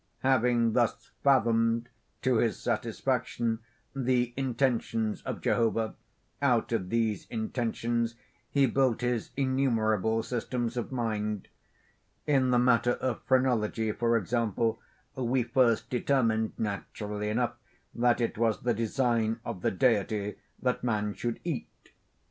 Having thus fathomed, to his satisfaction, the intentions of Jehovah, out of these intentions he built his innumerable systems of mind. In the matter of phrenology, for example, we first determined, naturally enough, that it was the design of the Deity that man should eat.